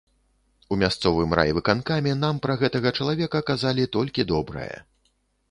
У мясцовым райвыканкаме нам пра гэтага чалавека казалі толькі добрае.